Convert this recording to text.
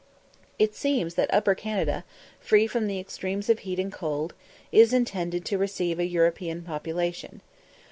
It seems that Upper Canada, free from the extremes of heat and cold, is intended to receive a European population.